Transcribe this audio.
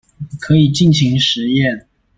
可以盡情實驗